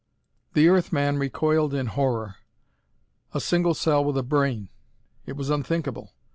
The Earth man recoiled in horror! A single cell with a brain! It was unthinkable.